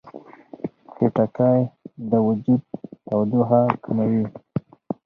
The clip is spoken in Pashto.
خټکی د وجود تودوخه کموي.